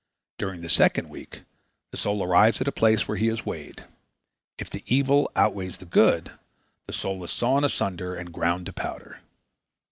During the second week the soul arrives at a place where he is weighed. If the evil outweighs the good, the soul is sawn asunder and ground to powder.